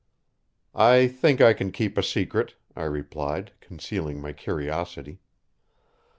"I think I can keep a secret," I replied, concealing my curiosity.